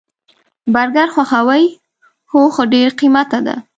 برګر خوښوئ؟ هو، خو ډیر قیمته ده